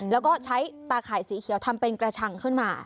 แล้วก็ใช้ตาข่ายสีเขียวทำเป็นกระชังขึ้นมา